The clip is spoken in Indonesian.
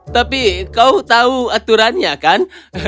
tapi kau tahu aturannya kan